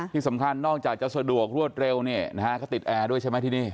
ที่สำคัญนอกจากจะสะดวกรวดเร็วเนี่ยนะฮะเขาติดแอร์ด้วยใช่ไหมที่นี่